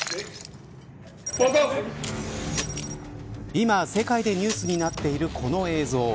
今、世界でニュースになっているこの映像。